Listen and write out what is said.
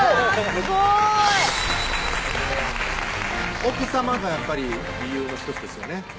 すごい！奥さまがやっぱり理由の１つですよね